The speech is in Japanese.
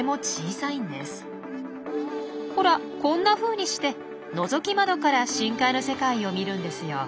ほらこんなふうにしてのぞき窓から深海の世界を見るんですよ。